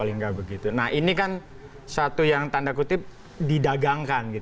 nah ini kan satu yang tanda kutip didagangkan